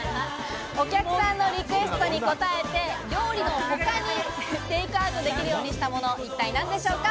お客さんのリクエストに答えて、料理の他にテイクアウトできるようにしたものとは一体何でしょうか？